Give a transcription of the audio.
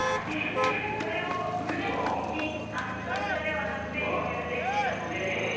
これをこれでもピタピタではなくてゆるゆるで着てたので。